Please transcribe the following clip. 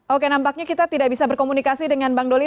oke nampaknya kita tidak bisa berkomunikasi dengan bang doli